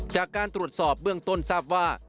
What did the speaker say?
จากการตรวจสอบเบื้องต้นทราบว่า